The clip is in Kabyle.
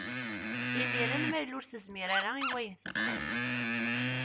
Imiren ma yella ur tezmir ara i wayen tebɣiḍ.